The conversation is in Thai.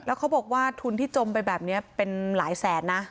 แล้วเขาบอกว่าทุนที่จมไปแบบนี้เป็นหลายแสนนะ